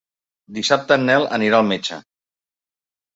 Dissabte en Nel anirà al metge.